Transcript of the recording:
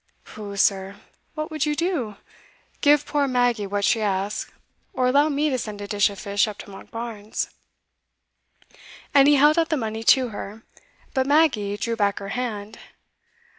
"Pooh, sir, what would you do? give poor Maggie what she asks, or allow me to send a dish of fish up to Monkbarns." And he held out the money to her; but Maggie drew back her hand.